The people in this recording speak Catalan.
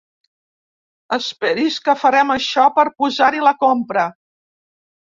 Esperi's que farem això per posar-hi la compra.